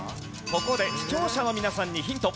ここで視聴者の皆さんにヒント。